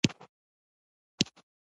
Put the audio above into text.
دغه کليوال څنګه بريالي شول؟